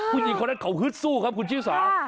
ผู้หญิงคนนั้นเขาฮึดสู้ครับคุณชิสา